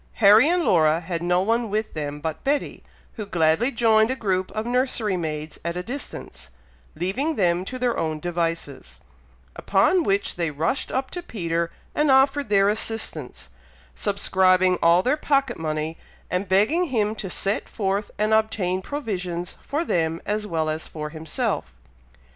Harry and Laura had no one with them but Betty, who gladly joined a group of nursery maids at a distance, leaving them to their own devices; upon which they rushed up to Peter and offered their assistance, subscribing all their pocket money, and begging him to set forth and obtain provisions for them as well as for himself.